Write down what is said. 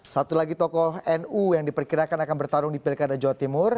satu lagi tokoh nu yang diperkirakan akan bertarung di pilkada jawa timur